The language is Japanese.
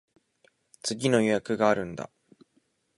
次の予約があるんだ。